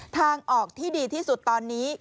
ทางออกที่ดีที่สุดตอนนี้